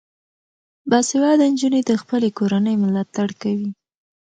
باسواده نجونې د خپلې کورنۍ ملاتړ کوي.